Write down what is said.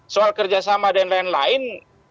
soal kerjasama dan lain lain